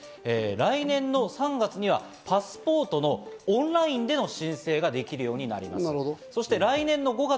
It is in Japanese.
来年の３月にはパスポートのオンラインでの申請ができるようになります。